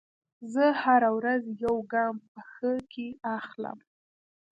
زه هره ورځ یو ګام په ښه کې اخلم.